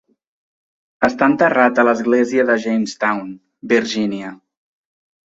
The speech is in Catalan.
Està enterrat a l'església de Jamestown, Virginia.